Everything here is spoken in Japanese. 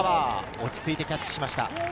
落ち着いてキャッチしました。